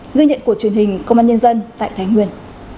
ghi nhận của truyền hình công an nhân dân tại thái nguyên